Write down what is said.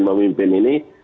presiden memimpin ini